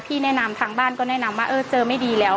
แนะนำทางบ้านก็แนะนำว่าเออเจอไม่ดีแล้ว